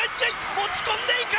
持ち込んでいく！